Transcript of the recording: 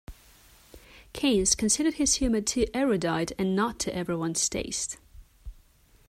Keynes considered its humour too erudite and not to everyone's taste.